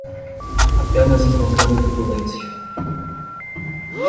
Apenas encontrando turbulência